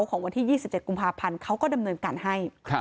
ของวันที่๒๗กุมภาพันธ์เขาก็ดำเนินการให้